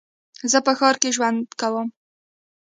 زه په ښار کې ژوند کوم.